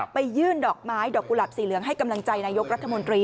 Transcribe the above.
ยื่นดอกไม้ดอกกุหลับสีเหลืองให้กำลังใจนายกรัฐมนตรี